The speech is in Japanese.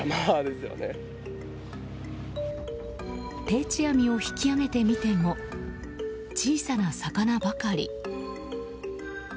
定置網を引き揚げてみても小さな魚ばかり。